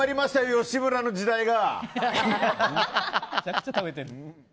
吉村の時代が！